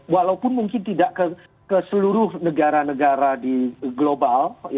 walaupun mungkin tidak ke seluruh negara negara di global